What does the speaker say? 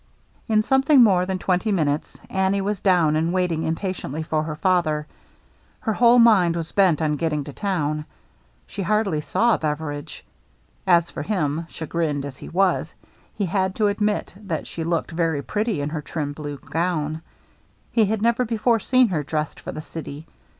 In something more than twenty minutes Annie was down and waiting impatiently for her fathei Her whole mind was bent on getting to i:own. She hardly saw Beveridge. As for him, chagrined as he was, he had to admit that she looked very pretty in her trim 410 THE MERRY ANNE blue gown. He had never before seen her dressed for the city.